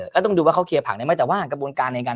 แล้วต้องดูว่าเขาเคลียร์ผักได้ไหมแต่ว่ากระบวนการในการ